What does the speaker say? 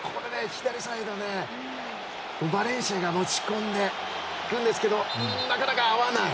左サイド、バレンシアが持ち込んでいるんですけどなかなか合わない。